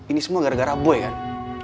ini semua gara gara boy kan